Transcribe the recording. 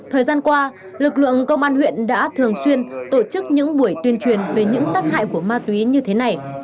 thời gian qua lực lượng công an huyện đã thường xuyên tổ chức những buổi tuyên truyền về những tác hại của ma túy như thế này